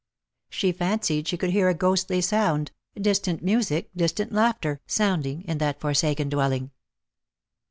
She fancied she could hear a sound, as of distant music, distant laughter, sounding in that forsaken dwelling.